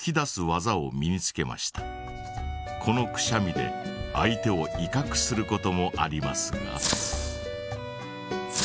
このくしゃみで相手をいかくすることもありますが。